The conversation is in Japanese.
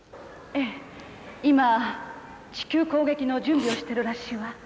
今、地球攻撃の準備をしているらしいわ。